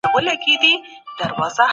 علم د بشر د بريا وسيله ده.